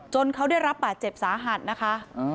เขาได้รับบาดเจ็บสาหัสนะคะ